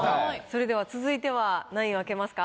それでは続いては何位を開けますか？